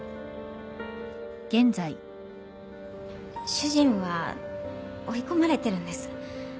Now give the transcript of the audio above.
主人は追い込まれてるんです。